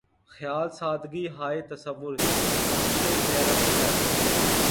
خیال سادگی ہائے تصور‘ نقشِ حیرت ہے